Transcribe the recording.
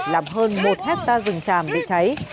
làm hơn một hectare rừng tràm bị cháy